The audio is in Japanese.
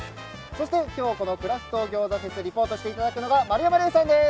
そして、今日クラフト餃子フェスをリポートしていただくのは丸山礼さんです。